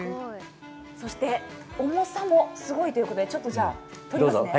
そして重さもすごいということでちょっととりますね。